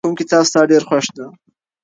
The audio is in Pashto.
کوم کتاب ستا ډېر خوښ دی؟